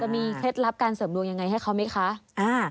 จะมีเคล็ดลับการเสริมโน้งยังไงให้เขา